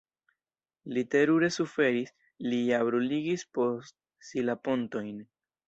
Li terure suferis, li ja bruligis post si la pontojn.